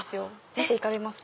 見ていかれますか？